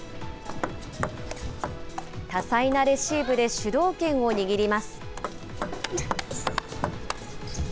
多彩なレシーブで主導権を握ります。